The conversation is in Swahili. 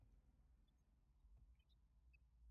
Tumia dakika nnetanokupika